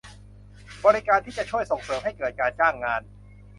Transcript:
บริการที่จะช่วยส่งเสริมให้เกิดการจ้างงาน